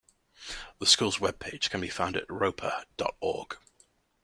The school's webpage can be found at: roeper dot org.